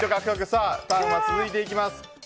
さあ、ターンは続いていきます。